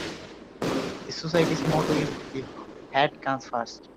The society's motto is "The Hat Comes First".